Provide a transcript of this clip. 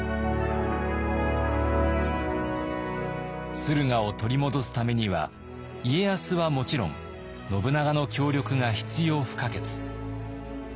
駿河を取り戻すためには家康はもちろん信長の協力が必要不可欠。